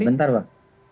ya bentar pak